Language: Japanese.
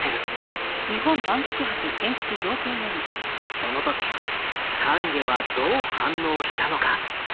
その時丹下はどう反応したのか。